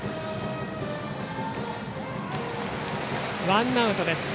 ワンアウトです。